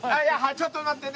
ちょっと待ってね。